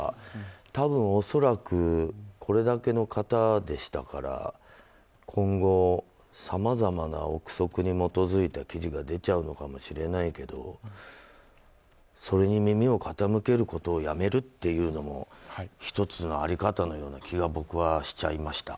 多分恐らくこれだけの方でしたから今後、さまざまな憶測に基づいた記事が出ちゃうのかもしれないけど、それに耳を傾けることをやめるというのも１つのあり方のような気が僕はしちゃいました。